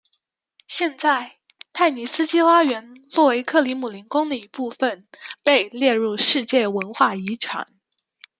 现在泰尼斯基花园作为克里姆林宫的一部分被列入世界文化遗产。